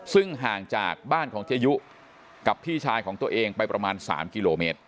ซึ่งห่างจากบ้านของเจยุกับพี่ชายของตัวเองไปประมาณ๓กิโลเมตร